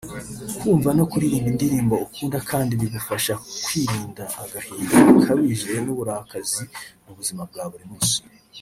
Kumva no kuririmba indirimbo ukunda kandi bigufasha kwirinda agahinda gakabije n’uburakazi mu buzima bwa buri munsi